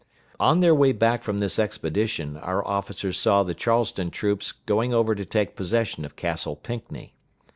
On their way back from this expedition our officers saw the Charleston troops going over to take possession of Castle Pinckney.